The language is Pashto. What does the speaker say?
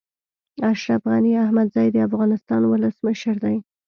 اشرف غني احمدزی د افغانستان ولسمشر دی